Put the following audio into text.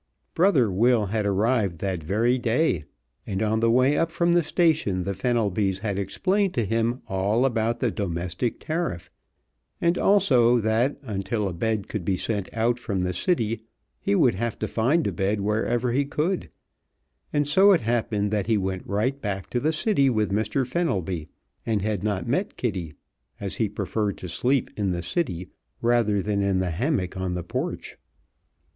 Brother Will had arrived that very day, and on the way up from the station the Fenelbys had explained to him all about the Domestic Tariff, and also that until a bed could be sent out from the city he would have to find a bed wherever he could, and so it happened that he went right back to the city with Mr. Fenelby, and had not met Kitty, as he preferred to sleep in the city, rather than in the hammock on the porch.